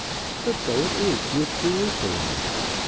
But so it is with Jerusalem.